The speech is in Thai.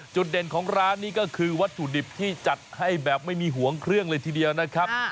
จุดเด่นของร้านนี้ก็คือวัตถุดิบที่จัดให้แบบไม่มีห่วงเครื่องเลยทีเดียวนะครับ